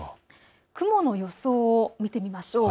雲の予想を見てみましょう。